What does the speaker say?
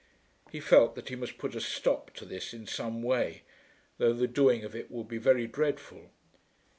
He felt that he must put a stop to this in some way, though the doing of it would be very dreadful.